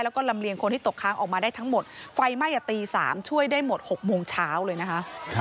แล้วก็ลำเลียงคนที่ตกค้างออกมาได้ทั้งหมดไฟไหม้ตี๓ช่วยได้หมด๖โมงเช้าเลยนะคะ